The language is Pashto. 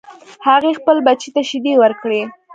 هغې خپل بچی ته شیدې ورکړې